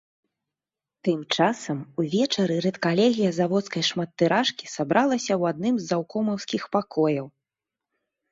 Тым часам увечары рэдкалегія заводскай шматтыражкі сабралася ў адным з заўкомаўскіх пакояў.